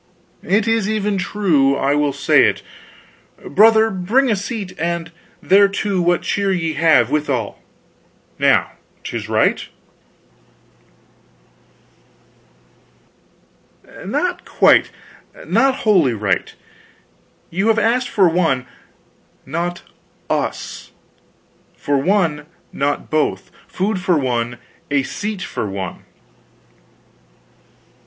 "It is even true. I will say it. Brother, bring a seat, and thereto what cheer ye have, withal. Now 'tis right." "Not quite, not wholly right. You have asked for one, not us for one, not both; food for one, a seat for one."